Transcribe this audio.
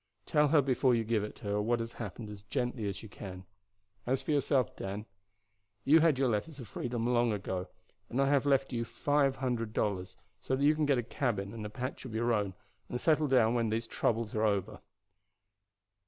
Tell her before you give it her what has happened as gently as you can. As for yourself, Dan, you had your letters of freedom long ago, and I have left you five hundred dollars; so that you can get a cabin and patch of your own, and settle down when these troubles are over."